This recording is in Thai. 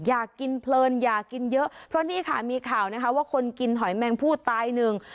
อยากกินเพลินอยากกินเยอะเพราะนี่ค่ะมีข่าวนะคะว่าคนกินหอยแมงผู้ตายหนึ่ง